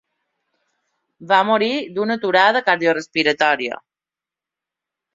Va morir d'una aturada cardiorespiratòria.